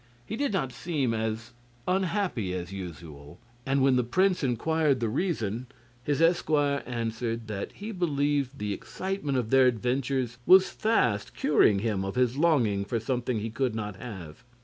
He did not seem as unhappy as usual, and when the prince inquired the reason, his esquire answered that he believed the excitement of their adventures was fast curing him of his longing for something he could not have.